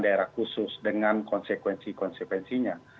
daerah khusus dengan konsekuensi konsekuensinya